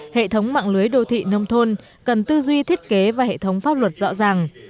hệ thống mạng lưới đô thị nông thôn cần tư duy thiết kế và hệ thống pháp luật rõ ràng